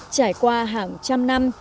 trải qua hàng trăm năm